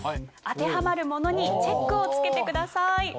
当てはまるものにチェックを付けてください。